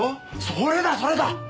それだそれだ！